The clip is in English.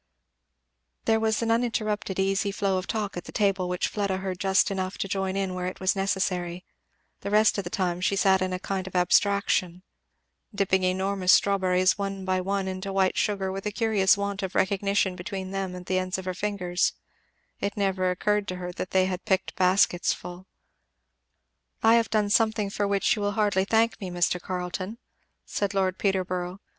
There was an uninterrupted easy flow of talk at the table, which Fleda heard just enough to join in where it was necessary; the rest of the time she sat in a kind of abstraction, dipping enormous strawberries one by one into white sugar, with a curious want of recognition between them and the ends of her fingers; it never occurred to her that they had picked baskets full. "I have done something for which you will hardly thank me, Mr. Carleton," said Lord Peterborough.